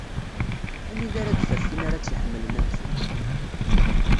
Anida ara d-taf tin ara tt-iḥemmlen am kemm?